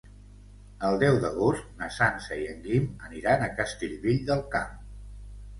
El deu d'agost na Sança i en Guim aniran a Castellvell del Camp.